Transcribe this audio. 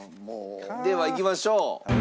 ではいきましょう。